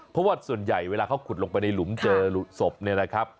เพราะว่าส่วนใหญ่เวลาเขาขุดลงไปในหลุมเจอศพเนี่ยนะครับ